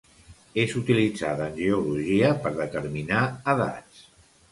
És utilitzada en geologia per determinar edats.